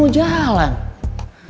sampai jumpa lagi